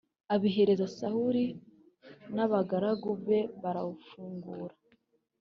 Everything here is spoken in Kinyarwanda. abihereza sawuli n’abagaragu be barafungura